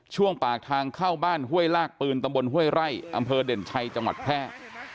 ช่วงปากทางเข้าบ้านห้วยลากปืนตำบลห้วยไร่อำเภอเด่นชัยจังหวัดแพร่